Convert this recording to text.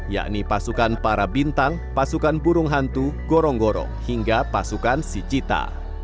yakni pasukan para bintang pasukan burung hantu gorong gorong hingga pasukan sicita